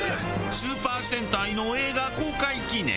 スーパー戦隊の映画公開記念！